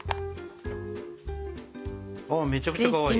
あっめちゃくちゃかわいい！